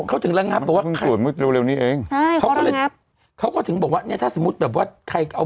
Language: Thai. เขาถึงระงับว่า